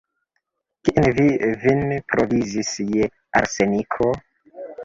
Kie vi vin provizis je arseniko?